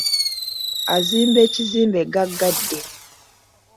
Azimba ekizimbe gaggadde.